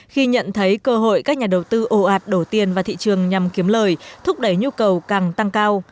khi nhận thấy cơ hội các nhà đầu tư ồ ạt đổ tiền vào thị trường nhằm kiếm lời thúc đẩy nhu cầu càng tăng cao